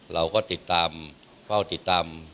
เราก็ติดตามเฝ้าติดตาม